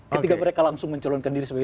ketika mereka langsung mencalonkan diri sebagai